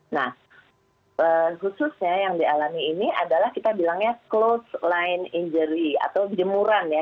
nah khususnya yang dialami ini adalah kita bilangnya close line injury atau jemuran ya